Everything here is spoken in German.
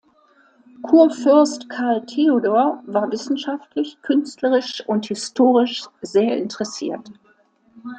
Kurfürst Karl Theodor war wissenschaftlich, künstlerisch und historisch sehr interessiert.